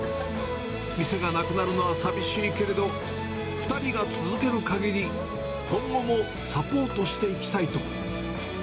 店がなくなるのは寂しいけれど、２人が続けるかぎり、今後もサポートしていきたいと。